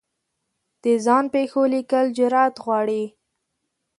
د ځان پېښو لیکل جرعت غواړي.